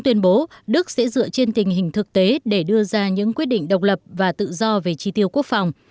tuyên bố đức sẽ dựa trên tình hình thực tế để đưa ra những quyết định độc lập và tự do về tri tiêu quốc phòng